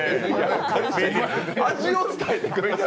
味を伝えてください。